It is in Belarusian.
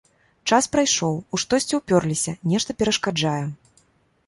Час прайшоў, у штосьці ўпёрліся, нешта перашкаджае.